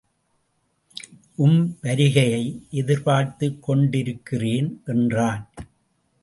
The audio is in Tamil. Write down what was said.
உம் வருகையை எதிர்பார்த்துக் கொண்டிருக்கிறேன் என்றான்.